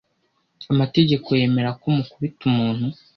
amategeko yemera ko mukubita umuntu